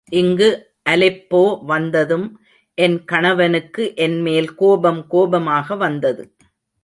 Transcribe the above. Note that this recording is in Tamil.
இங்கு அலெப்போ வந்ததும், என் கணவனுக்கு என் மேல் கோபம் கோபமாக வந்தது.